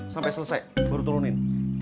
sampai selesai baru turunin